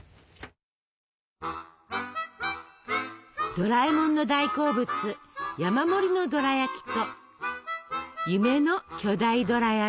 ドラえもんの大好物山盛りのドラやきと夢の巨大ドラやき。